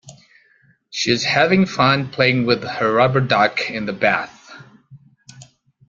She is having fun playing with her rubber duck in the bath